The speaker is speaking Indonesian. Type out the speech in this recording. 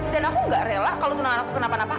dan aku nggak rela kalau tunangan aku kenapa napa